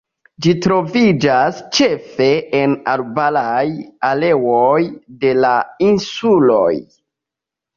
Ĝi troviĝas ĉefe en arbaraj areoj de la insuloj.